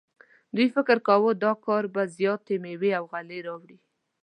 دوی فکر کاوه دا کار به زیاتې میوې او غلې راوړي.